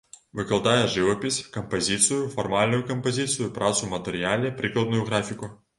Выкладае жывапіс, кампазіцыю, фармальную кампазіцыю, працу ў матэрыяле, прыкладную графіку.